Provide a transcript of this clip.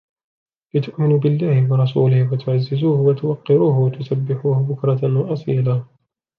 لِتُؤْمِنُوا بِاللَّهِ وَرَسُولِهِ وَتُعَزِّرُوهُ وَتُوَقِّرُوهُ وَتُسَبِّحُوهُ بُكْرَةً وَأَصِيلًا